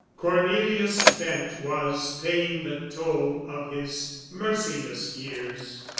Cornelius Bent was paying the toll of his merciless years.